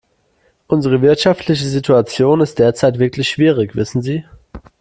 Unsere wirtschaftliche Situation ist derzeit wirklich schwierig, wissen Sie.